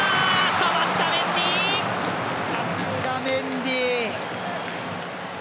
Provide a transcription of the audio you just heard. さすがメンディ！